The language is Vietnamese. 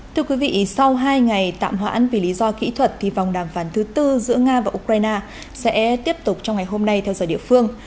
thưa quý vị sau hai ngày tạm hoãn vì lý do kỹ thuật thì vòng đàm phán thứ tư giữa nga và ukraine sẽ tiếp tục trong ngày hôm nay theo giờ địa phương